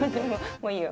もういいよ。